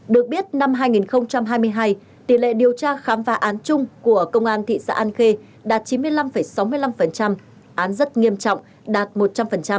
được biết năm hai nghìn hai mươi hai tỷ lệ điều tra khám phá án chung của công an thị xã an khê đạt chín mươi năm sáu mươi năm án rất nghiêm trọng đạt một trăm linh